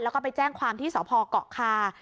แล้วก็ไปแจ้งความที่สพเกาะคา